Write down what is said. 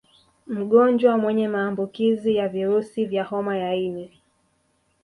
Mgonjwa mwenye maambukizi ya virusi vya homa ya ini